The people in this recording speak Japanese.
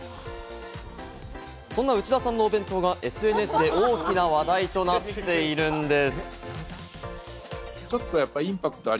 そんな内田さんのお弁当がＳＮＳで大きな話題となっているんです。